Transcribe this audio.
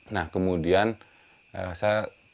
nah kemudian saya tanpa rencana ada takdir untuk bisa mencari